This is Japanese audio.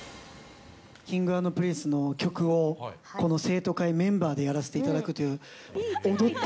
Ｋｉｎｇ＆Ｐｒｉｎｃｅの曲をこの生徒会メンバーでやらせていただくという。